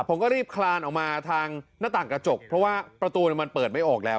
ผมก็รีบคลานออกมาทางหน้าต่างกระจกเพราะว่าประตูมันเปิดไม่ออกแล้ว